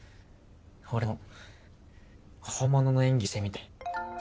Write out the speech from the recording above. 俺も本物の演技をしてみたい。